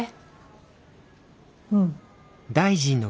うん。